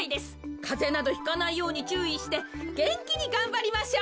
かぜなどひかないようにちゅういしてげんきにがんばりましょう。